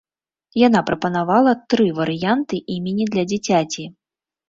Яна прапанавала тры варыянты імені для дзіцяці.